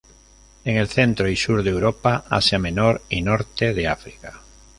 En el centro y sur de Europa, Asia menor y norte de África.